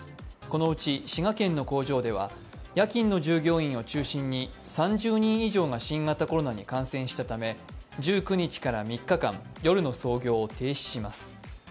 このうち、滋賀県の工場では夜勤の従業員を中心に３０人以上が新型コロナに感染したため１９日から３日間、夜の操業を停止します。